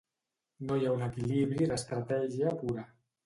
No hi ha un equilibri d'estratègia pura.